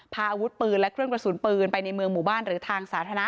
พาอาวุธปืนและเครื่องกระสุนปืนไปในเมืองหมู่บ้านหรือทางสาธารณะ